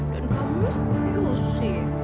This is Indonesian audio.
dan kamu aduh sifah